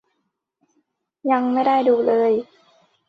ยังไม่ได้ดูเลย